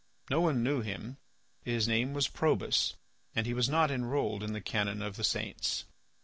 No one knew him. His name was Probus, and he was not enrolled in the canon of the saints.